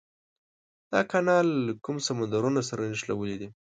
دا کانال کوم سمندرونه سره نښلولي دي؟